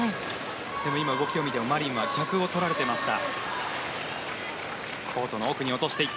でも今、動きを見てもマリンは逆をとられてました。